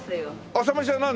朝飯は何？